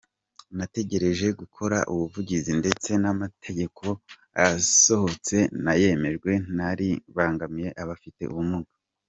Nagerageje gukora ubuvugizi ndetse amategeko yasohotse n’ayemejwe nta ribangamiye abafite ubumuga.